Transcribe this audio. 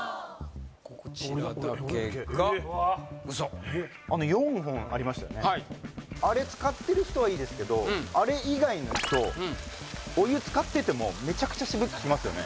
こちらだけがウソはいあれ使ってる人はいいですけどあれ以外の人お湯つかっててもめちゃくちゃしぶききますよね